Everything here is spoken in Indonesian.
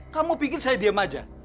kamu pikir saya diam aja